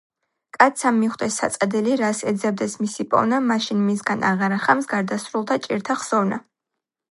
კაცსა მიჰხვდეს საწადელი, რას ეძებდეს, მისი პოვნა, მაშინ მისგან აღარა ხამს გარდასრულთა ჭირთა ხსოვნა.